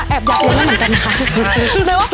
แอบอยากเลี้ยงเหมือนกันค่ะ